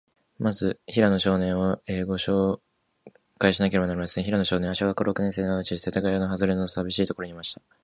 まず、平野少年を、ごしょうかいしなければなりません。平野少年は、小学校の六年生で、おうちは、世田谷区のはずれの、さびしいところにありました。